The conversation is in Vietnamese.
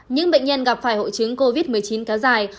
những bệnh nhân gặp phải hội chứng covid một mươi chín kéo dài